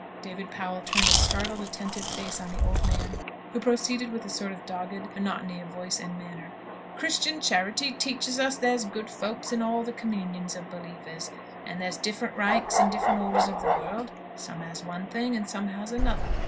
David Powell turned a startled, attentive face on the old man, who proceeded with a sort of dogged monotony of voice and manner: "Christian charity teaches us there's good folks in all communions of believers. And there's different ranks and different orders in the world; some has one thing, and some has another.